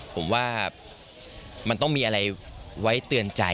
ผมว่ามันต้องมีอะไรไว้เตือนใจ